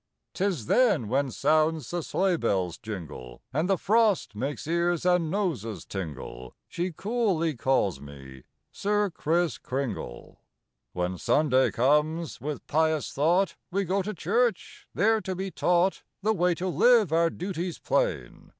'Tis then when sounds the sleigh bell's jingle And the frost makes ears and noses tingle, She coolly calls me 'Sir Kriss Kringle.'" Copyrighted, 18U7 c^^aHEN Sunday comes, with pious thought We go to church, there to be taught The way to live, our duties plain.